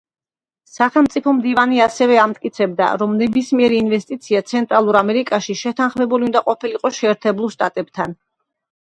სახელმწიფო მდივანი ასევე ამტკიცებდა, რომ ნებისმიერი ინვესტიცია ცენტრალურ ამერიკაში შეთანხმებული უნდა ყოფილიყო შეერთებულ შტატებთან.